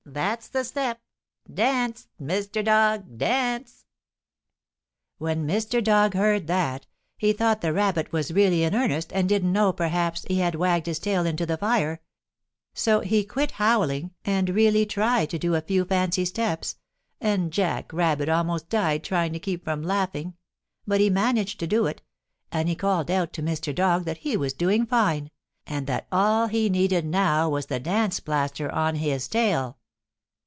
That's the step! Dance, Mr. Dog; dance!" [Illustration: TOOK OVER THE HILL TOWARDS HOME.] When Mr. Dog heard that, he thought the Rabbit was really in earnest, and didn't know, perhaps, he had wagged his tail into the fire; so he quit howling and really tried to do a few fancy steps, and Jack Rabbit almost died trying to keep from laughing, but he managed to do it, and he called out to Mr. Dog that he was doing fine, and that all he needed now was the dance plaster on his tail.